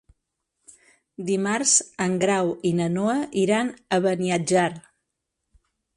Dimarts en Grau i na Noa iran a Beniatjar.